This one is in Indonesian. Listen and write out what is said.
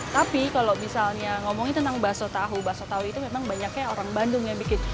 tapi kalau misalnya ngomongin tentang bakso tahu bakso tahu itu memang banyaknya orang bandung yang bikin